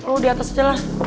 oh di atas aja lah